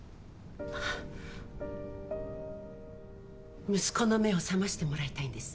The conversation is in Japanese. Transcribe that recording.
あっ息子の目を覚ましてもらいたいんです。